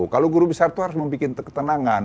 kalau guru besar itu harus membuat ketenangan